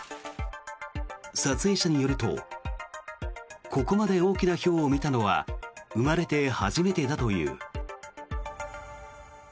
撮影者によるとここまで大きなひょうを見たのは生まれて初めてだという。